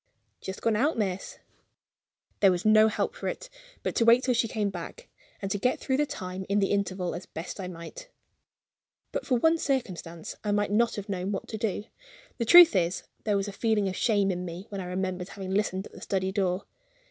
"Just gone out, miss." There was no help for it but to wait till she came back, and to get through the time in the interval as I best might. But for one circumstance, I might not have known what to do. The truth is, there was a feeling of shame in me when I remembered having listened at the study door.